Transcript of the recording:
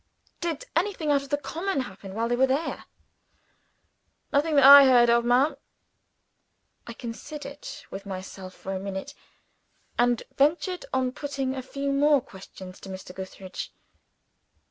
"Did anything out of the common happen while they were there?" "Nothing that I heard of, ma'am." I considered with myself for a minute, and ventured on putting a few more questions to Mr. Gootheridge.